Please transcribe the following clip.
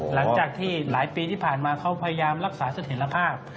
หลังจากที่หลายปีที่ผ่านมาเขาพยายามรักษาเสถียรภาพ